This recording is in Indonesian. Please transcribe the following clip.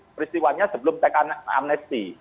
amnestiwannya sebelum tekan amnesti